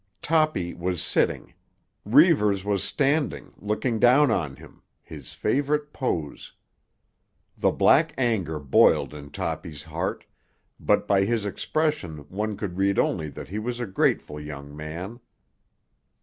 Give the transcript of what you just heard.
Toppy was sitting; Reivers was standing, looking down on him, his favourite pose. The black anger boiled in Toppy's heart, but by his expression one could read only that he was a grateful young man.